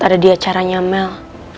ada di acaranya mel